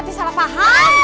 nanti salah paham